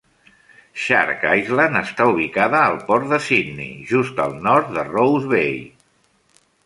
Shark Island està ubicada al port de Sydney, just al nord de Rose Bay.